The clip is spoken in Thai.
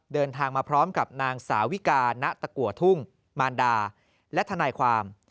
เดินทางมาพร้อมกับนางสาวิกาณะตะกัวทุ่งมารดาและทนายความ